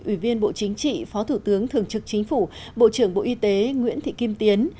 ủy viên bộ chính trị phó thủ tướng thường trực chính phủ bộ trưởng bộ y tế nguyễn thị kim tiến